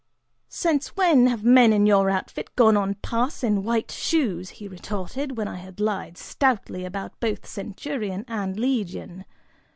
"Since when have men in your outfit gone on pass in white shoes?" he retorted, when I had lied stoutly about both centurion and legion.